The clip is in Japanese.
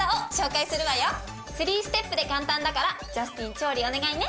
３ステップで簡単だからジャスティン調理お願いね。